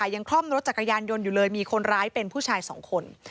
คล่อมรถจักรยานยนต์อยู่เลยมีคนร้ายเป็นผู้ชายสองคน